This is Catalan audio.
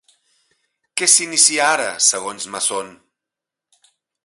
Què s'inicia ara, segons Mazón?